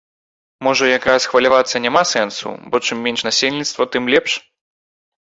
Можа як раз хвалявацца няма сэнсу, бо чым менш насельніцтва, тым лепш?